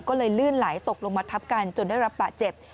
ก็เลยลื่นไหลตกลงมาทับกันจนได้รับบาดเจ็บ